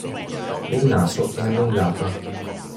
Il naso è allungato.